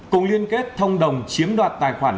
cùng liên kết thông đồng chiếm đoạt tài khoản